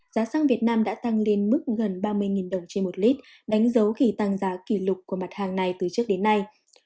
giá xăng việt nam đã tăng lên mức gần ba mươi đồng trên một lít đánh dấu khi tăng giá kỷ lục của mặt hàng này từ trước đến nay